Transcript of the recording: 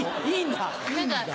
いいんだ？